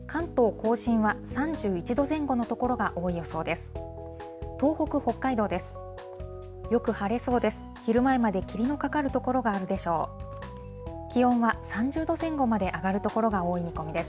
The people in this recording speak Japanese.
甲信は３１度前後の所が多い予想です。